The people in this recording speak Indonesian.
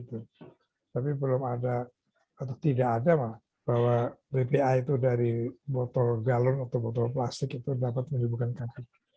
tapi belum ada atau tidak ada bahwa bpa itu dari botol galon atau botol plastik itu dapat menyebabkan kaki